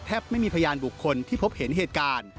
ไม่มีพยานบุคคลที่พบเห็นเหตุการณ์